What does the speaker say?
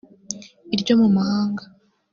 iryo mu mahanga